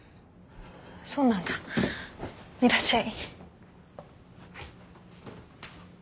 そうなんだいらっしゃい。